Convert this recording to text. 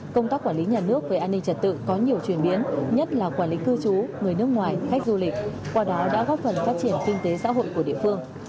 công tác quản lý nhà nước về an ninh trật tự có nhiều chuyển biến nhất là quản lý cư trú người nước ngoài khách du lịch qua đó đã góp phần phát triển kinh tế xã hội của địa phương